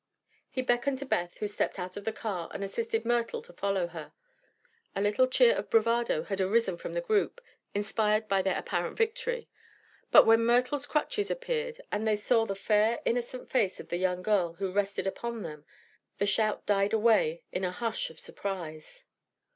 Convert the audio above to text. He beckoned to Beth, who stepped out of the car and assisted Myrtle to follow her. A little cheer of bravado had arisen from the group, inspired by their apparent victory; but when Myrtle's crutches appeared and they saw the fair, innocent face of the young girl who rested upon them, the shout died away in a hush of surprise.